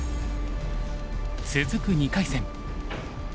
続く２回戦。